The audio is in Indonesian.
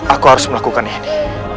aku harus melakukan ini